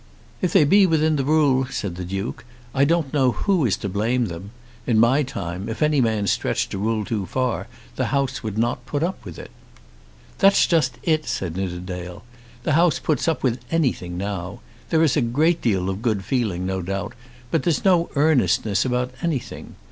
"If they be within rule," said the Duke, "I don't know who is to blame them. In my time, if any man stretched a rule too far the House would not put up with it." "That's just it," said Nidderdale. "The House puts up with anything now. There is a great deal of good feeling no doubt, but there's no earnestness about anything.